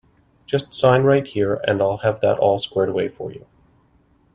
Just sign right here and I’ll have that all squared away for you.